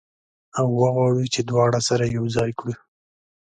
او وغواړو چې دواړه سره یو ځای کړو.